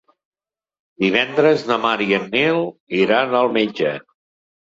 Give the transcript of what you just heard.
Divendres na Mar i en Nil iran al metge.